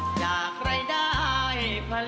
จากใครได้ผลิตกับคน